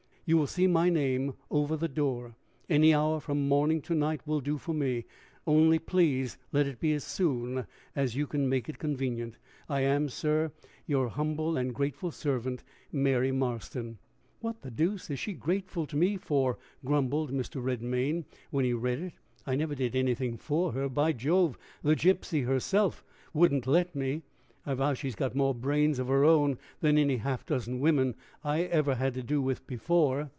You will see my name over the door. Any hour from morning to night will do for me; only please let it be as soon as you can make it convenient. "I am, sir, "Your humble and grateful servant, "MARY MARSTON" "What the deuce is she grateful to me for?" grumbled Mr. Redmain when he read it. "I never did anything for her! By Jove, the gypsy herself wouldn't let me! I vow she's got more brains of her own than any half dozen women I ever had to do with before!"